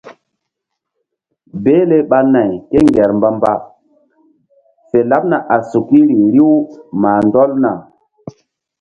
Behle ɓa nay ké ŋger mbamba fe laɓna a sukiri riw mah ndɔlna.